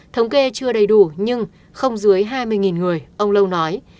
thống kê chưa đầy đủ nhưng không dưới hai mươi người ông lâu nói